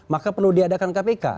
maka perlu diadakan kpk